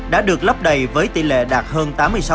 đã được lấp đầy với tỷ lệ đạt hơn tám mươi sáu